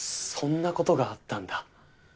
そんな事があったんだ。